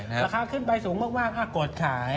ราคาขึ้นไปสูงมากกดขาย